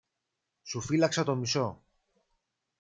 Σου φύλαξα το μισό.